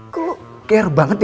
lo care banget ya